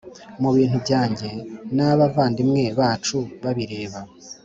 Mu bintu byanjye n aba bavandimwe bacu babireba